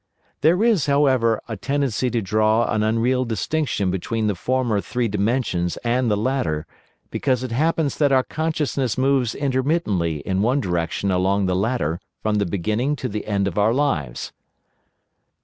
There is, however, a tendency to draw an unreal distinction between the former three dimensions and the latter, because it happens that our consciousness moves intermittently in one direction along the latter from the beginning to the end of our lives."